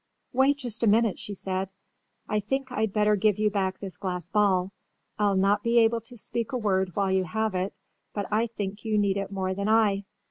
"Wait just a minute," she said. "I think I'd better give you back this glass ball. I'll not be able to speak a word while you have it, but I think you need it more than I."